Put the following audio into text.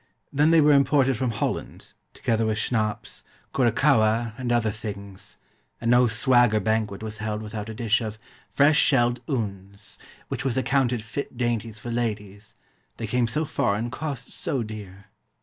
Then they were imported from Holland, together with schnapps, curaçoa, and other things, and no "swagger" banquet was held without a dish of "fresh shelled 'uns," which were accounted "fit dainties for ladies, they came so far and cost so dear."